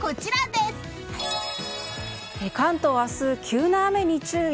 関東明日、急な雨に注意。